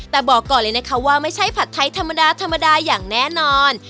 แต่บอกก่อนเลยนะคะว่าไม่ใช่ผัดไทยธรรมดาธรรมดาอย่างแน่นอน